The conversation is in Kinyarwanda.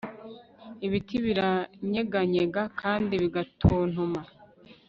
ibiti biranyeganyega kandi bigatontoma